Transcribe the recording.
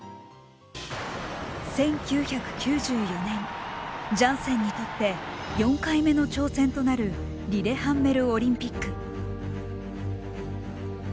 １９９４年ジャンセンにとって４回目の挑戦となるリレハンメル・オリンピック。